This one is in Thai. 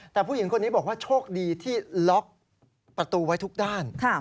แต่ผู้หญิงคนนี้บอกว่าโชคดีที่ล็อกประตูไว้ทุกด้าน